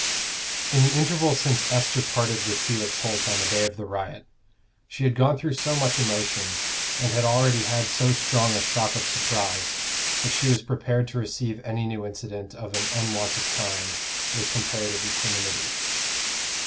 _ In the interval since Esther parted with Felix Holt on the day of the riot, she had gone through so much emotion, and had already had so strong a shock of surprise, that she was prepared to receive any new incident of an unwonted kind with comparative equanimity.